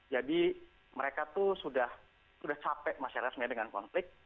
jadi mereka tuh sudah capek masyarakatnya dengan konflik